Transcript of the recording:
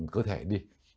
cơ thể đi